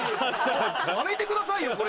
やめてくださいよこれ！